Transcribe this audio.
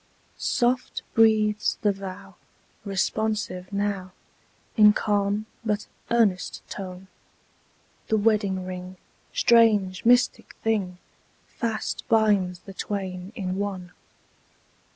Soft breathes the vow, responsive now, In calm but earnest tone. The wedding ring, strange, mystic thing! Fast binds the twain in one.